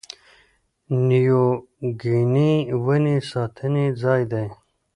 نیو ګیني ونې ساتنې ځای دی.